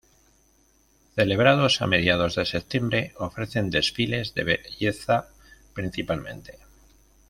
Celebrados a mediados de septiembre, ofrecen desfiles de belleza principalmente.